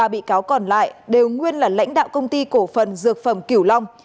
ba bị cáo còn lại đều nguyên là lãnh đạo công ty cổ phần dược phẩm kiểu long